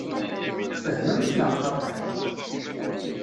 Tfehmemt neɣ xaṭi?